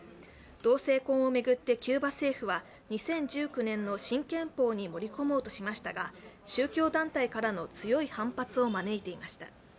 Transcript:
同性婚を巡ってキューバ政府は２０１９年の新憲法に盛り込もうとしましたが宗教団体からの強い反発を招いていました。